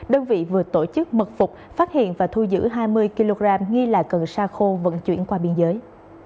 đơn vị vừa tổ chức mật phục phát hiện và thu giữ hai mươi kg nghi là cần sa khô vận chuyển qua biên giới